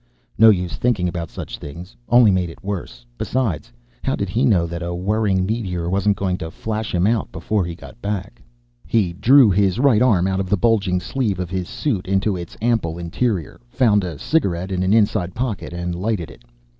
No use thinking about such things. Only made it worse. Besides, how did he know that a whirring meteor wasn't going to flash him out before he got back? He drew his right arm out of the bulging sleeve of the suit, into its ample interior, found a cigarette in an inside pocket, and lighted it.